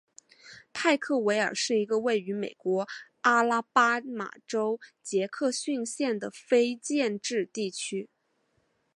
派克维尔是一个位于美国阿拉巴马州杰克逊县的非建制地区。